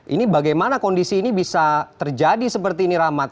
ini bagaimana kondisi ini bisa terjadi seperti ini rahmat